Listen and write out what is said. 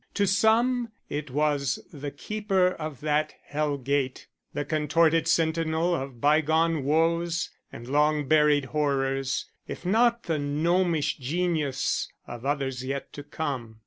To some it was the keeper of that hell gate; the contorted sentinel of bygone woes and long buried horrors, if not the gnomish genius of others yet to come.